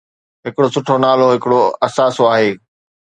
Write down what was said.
ھڪڙو سٺو نالو ھڪڙو اثاثو آھي.